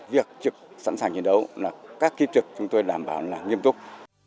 việc trực sẵn sàng chiến đấu các kế trực chúng tôi đảm bảo là nghiêm túc